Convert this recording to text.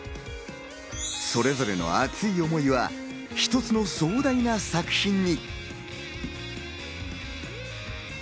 それぞれの熱い思いは一つの壮大な作品に。